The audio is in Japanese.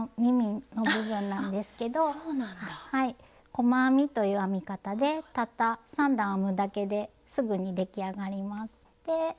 「細編み」という編み方でたった３段編むだけですぐに出来上がります。